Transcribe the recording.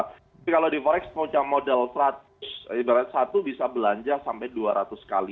tapi kalau di forex punya modal seratus ibarat satu bisa belanja sampai dua ratus kali